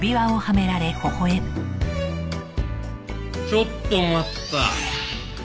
ちょっと待った。